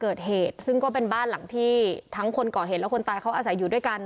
เกิดเหตุซึ่งก็เป็นบ้านหลังที่ทั้งคนก่อเหตุและคนตายเขาอาศัยอยู่ด้วยกัน